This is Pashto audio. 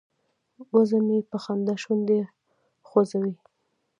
وزه مې په خندا شونډې خوځوي.